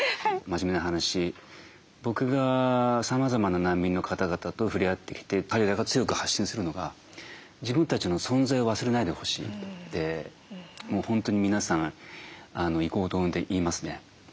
真面目な話僕がさまざまな難民の方々と触れ合ってきて彼らが強く発信するのが「自分たちの存在を忘れないでほしい」ってもう本当に皆さん異口同音で言いますね。